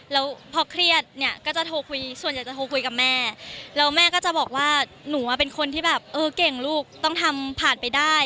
แล้วพอเครียดเนี่ยก็จะโทรคุยส่วนใหญ่จะโทรคุยกับแม่แล้วแม่ก็จะบอกว่าหนูเป็นคนที่แบบเออเก่งลูกต้องทำผ่านไปได้